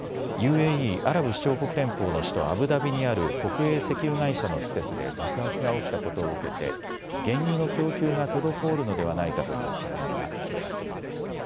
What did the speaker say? ＵＡＥ・アラブ首長国連邦の首都アブダビにある国営石油会社の施設で爆発が起きたことを受けて原油の供給が滞るのではないかという懸念が広がったためです。